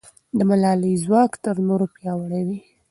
د ملالۍ ځواک تر نورو پیاوړی و.